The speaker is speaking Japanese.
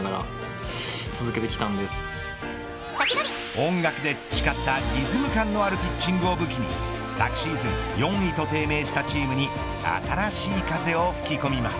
音楽で培ったリズム感のあるピッチングを武器に昨シーズン４位と低迷したチームに新しい風を吹き込みます。